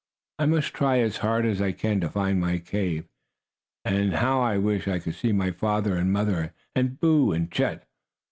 "I must try as hard as I can to find my cave. And how I do wish I could see my father and mother, and Boo and Chet!"